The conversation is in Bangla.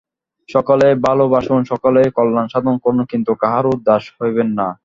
সকলকেই ভালবাসুন, সকলেরই কল্যাণ সাধন করুন, কিন্তু কাহারও দাস হইবেন না।